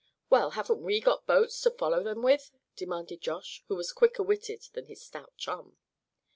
"Well, haven't we got boats to follow them with?" demanded Josh, who was quicker witted than his stout chum.